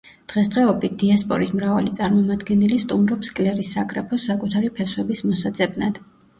დღესდღეობით, დიასპორის მრავალი წარმომადგენელი სტუმრობს კლერის საგრაფოს საკუთარი ფესვების მოსაძებნად.